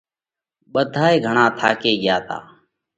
ٻڌائي گھڻا ٿاڪي ڳيا تا۔